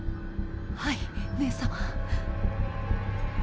はい姉様。